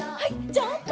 ジャンプ！